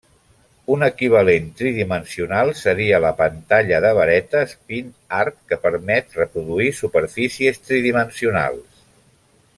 Un equivalent tridimensional seria la pantalla de varetes Pin Art, que permet reproduir superfícies tridimensionals.